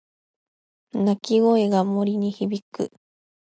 鳴き声が森に響く。